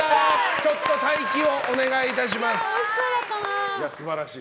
ちょっと待機をお願いいたします。